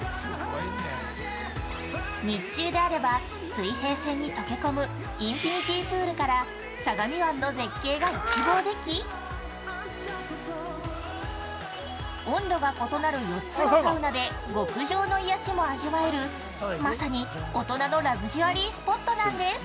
日中であれば、水平線に溶け込むインフニティプールから相模湾の絶景が一望でき温度が異なる４つのサウナで極上の癒しも味わえる、まさに大人のラグジュアリースポットなんです。